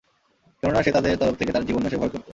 কেননা, সে তাদের তরফ থেকে তার জীবন নাশের ভয় করত।